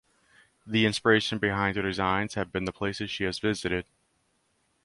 The inspiration behind her designs have been the places she has visited.